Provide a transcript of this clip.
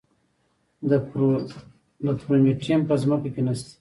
د پرومیټیم په ځمکه کې نه شته.